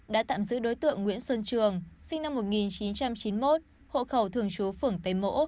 đã tạm giữ đối tượng nguyễn xuân trường sinh năm một nghìn chín trăm chín mươi một hộ khẩu thường chú phường tây mỗ